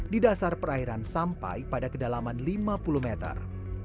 di dasar perairan sampai pada kedalaman lima puluh meter